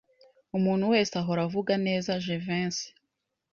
Umuntu wese ahora avuga neza Jivency.